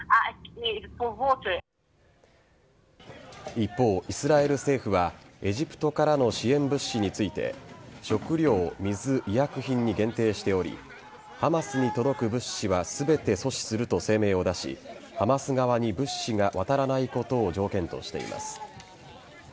一方、イスラエル政府はエジプトからの支援物資について食料、水、医薬品に限定しておりハマスに届く物資は全て阻止すると声明を出しハマス側に物資が渡らないことを条件としています。